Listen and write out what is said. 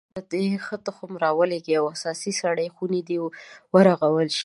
موږ ته دې ښه تخم را ولیږي او اساسي سړې خونې دې ورغول شي